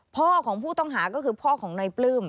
พ่อของผู้ต้องหาก็คือพ่อของนายปลื้ม